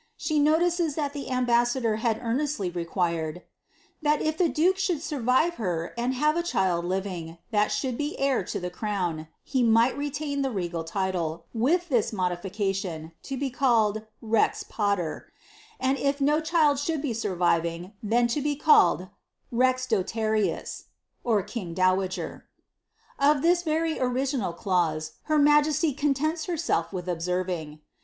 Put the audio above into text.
She notices ihal the ambassador had earnestly rei "thai if the duke should survive her, and have a child living should be heir to the crown, he might retain the regal title, witl modilicaiion, to be called ' rex paler ;' and if no child should b< viving, ihen to be called 'rei doiarius' (king dowager).'" Of ihi: original clause, her majesty contents herself with observing.